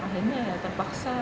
akhirnya ya terpaksa